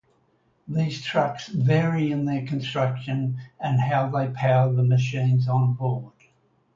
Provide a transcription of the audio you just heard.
These trucks vary in their construction and how they power the machines on board.